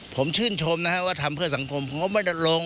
ผมไม่ได้ด่าเขา